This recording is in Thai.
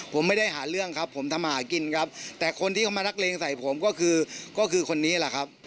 ผมไม่ได้หาเรื่องครับผมทำมาหากินครับแต่คนที่เขามานักเลงใส่ผมก็คือก็คือคนนี้แหละครับ